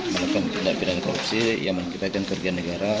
menurut pengadilan korupsi yang mengikuti kerja negara